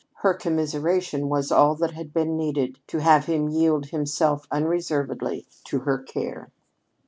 Her commiseration had been all that was needed to have him yield himself unreservedly to her care.